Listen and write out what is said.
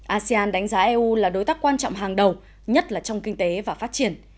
asean đánh giá eu là đối tác quan trọng hàng đầu nhất là trong kinh tế và phát triển